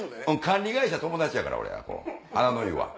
管理会社友達やから俺花の湯は。